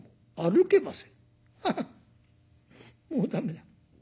「ハハもう駄目だ。